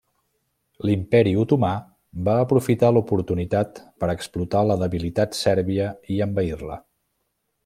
L'Imperi Otomà va aprofitar l'oportunitat per explotar la debilitat sèrbia i envair-la.